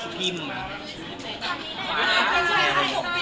ยินดีที่กลางไป